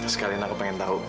sekalian aku pengen tahu